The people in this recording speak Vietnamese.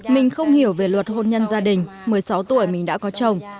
mình không hiểu về luật hôn nhân gia đình một mươi sáu tuổi mình đã có chồng